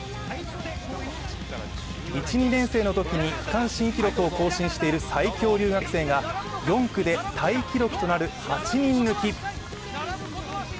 １・２年生のときに、区間新記録を更新している最強留学生が４区でタイ記録となる８人抜き。